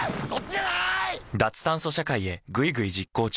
脱炭素社会へぐいぐい実行中。